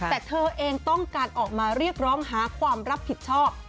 แต่เธอเองต้องการออกมาเรียกร้องหาความรับผิดชอบ